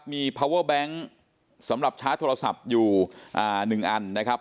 มีพาวเวอร์แบงค์สำหรับชาร์จโทรศัพท์อยู่๑อันนะครับ